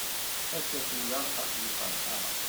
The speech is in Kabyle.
Akka tura aql-i feṛḥeɣ.